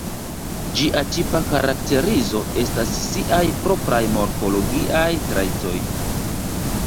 Ĝia tipa karakterizo estas siaj propraj morfologiaj trajtoj.